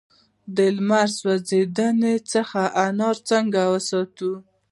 د لمر سوځیدنې څخه انار څنګه وساتم؟